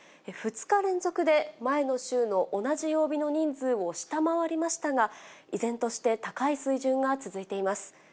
２日連続で、前の週の同じ曜日の人数を下回りましたが、依然として高い水準が続いています。